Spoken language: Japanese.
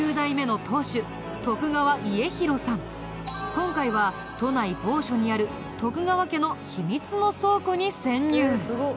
今回は都内某所にある川家の秘密の倉庫に潜入。